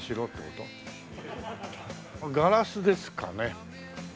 これガラスですかね。